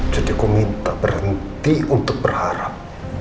jadi aku minta berhenti untuk berharap